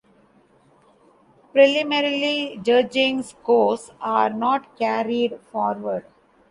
Preliminary judging scores are not carried forward.